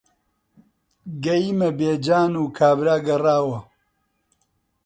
گەیمە بێجان و کابرا گەڕاوە.